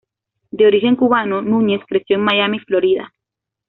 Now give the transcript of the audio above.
De origen cubano, Núñez creció en Miami, Florida.